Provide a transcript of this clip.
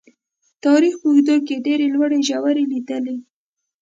تاریخ په اوږدو کې یې ډېرې لوړې ژورې لیدلي.